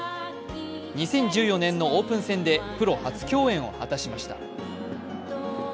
２０１４年のオープン戦でプロ初競演を演じました。